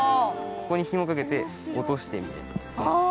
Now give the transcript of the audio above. ここにひも掛けて落としてみたいな。